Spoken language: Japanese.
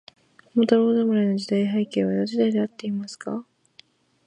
桃太郎侍の時代背景は、江戸時代であっていますか。